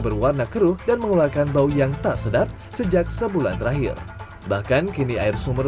berwarna keruh dan mengeluarkan bau yang tak sedap sejak sebulan terakhir bahkan kini air sumur